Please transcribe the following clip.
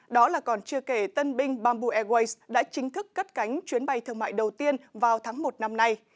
đó là còn chưa kể tân binh bamboo airways đã chính thức cất cánh chuyến bay thương mại đầu tiên vào tháng một năm nay